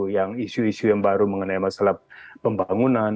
yang isu isu yang baru mengenai masalah pembangunan